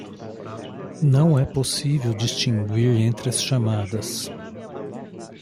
Não é possível distinguir entre as chamadas